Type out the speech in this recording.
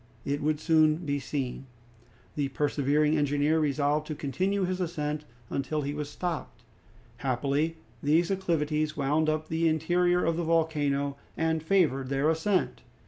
It would soon be seen. The persevering engineer resolved to continue his ascent until he was stopped. Happily these acclivities wound up the interior of the volcano and favored their ascent.